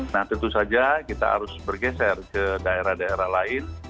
nah tentu saja kita harus bergeser ke daerah daerah lain